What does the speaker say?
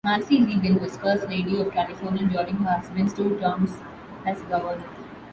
Nancy Reagan was First Lady of California during her husband's two terms as governor.